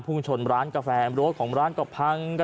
แปลงแปลงแปลง